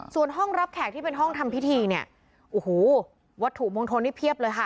ส่วนห้องรับแขกที่เป็นห้องทำพิธีเนี่ยโอ้โหวัตถุมงคลนี่เพียบเลยค่ะ